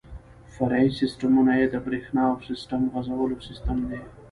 فرعي سیسټمونه یې د بریښنا او سیسټم غځولو سیستم دی.